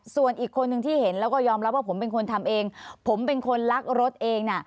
ส่วนอีกคนนึงที่เห็นแล้วก็ยอมรับว่าผมเป็นคนทำเองผมเป็นคนลักรถเองน่ะ